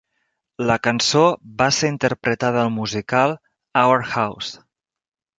La cançó va ser interpretada al musical "Our House".